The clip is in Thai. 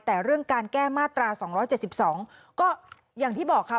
แต่เรื่องการแก้มาตรา๒๗๒ก็อย่างที่บอกค่ะ